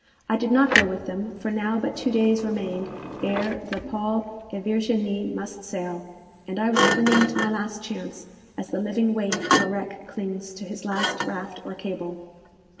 I did not go with them, for now but two days remained ere the Paul et Virginie must sail, and I was clinging to my last chance, as the living waif of a wreck clings to his last raft or cable.